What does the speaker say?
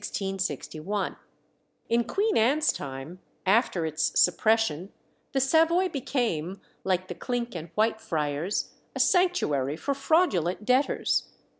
In Queen Anne's time, after its suppression, the Savoy became, like the Clink and Whitefriars, a sanctuary for fraudulent debtors.